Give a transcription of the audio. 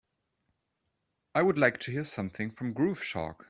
I would like to hear something from Groove Shark